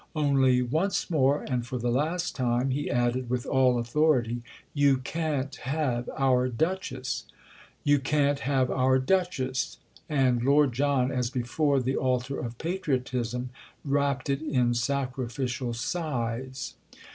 Only, once more and for the last time," he added with all authority, "you can't have our Duchess!" "You can't have our Duchess!"—and Lord John, as before the altar of patriotism, wrapped it in sacrificial sighs.